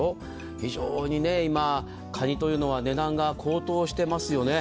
非常に今、かにというのは値段が高騰していますよね。